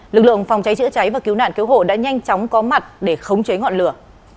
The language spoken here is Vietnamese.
lực lượng phòng cháy chữa cháy và cứu nạn cứu hộ đã nhanh chóng có mặt để khống chế ngọn lửa